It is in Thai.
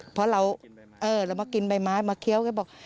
เพราะเรามากินใบไม้มาเคี้ยวก็บอก